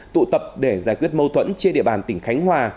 tụ tập để giải quyết mâu thuẫn trên địa bàn tỉnh khánh hòa